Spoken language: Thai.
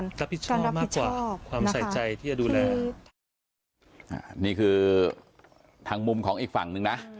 รับผิดชอบมากกว่าความใส่ใจที่จะดูแลอ่านี่คือทางมุมของอีกฝั่งหนึ่งนะ